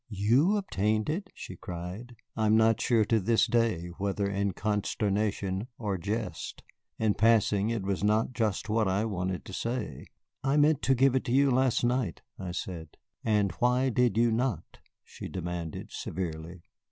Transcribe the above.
"You obtained it!" she cried, I am not sure to this day whether in consternation or jest. In passing, it was not just what I wanted to say. "I meant to give it you last night," I said. "And why did you not?" she demanded severely.